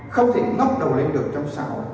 không thể ngóc đầu lên được trong xã hội